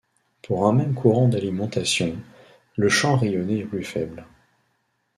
Pour un même courant d'alimentation, le champ rayonné est plus faible.